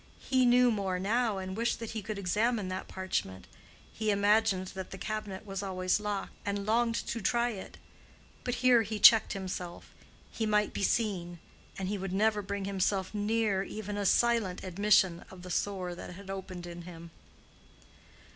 He knew more now and wished that he could examine that parchment. He imagined that the cabinet was always locked, and longed to try it. But here he checked himself. He might be seen: and he would never bring himself near even a silent admission of the sore that had opened in him.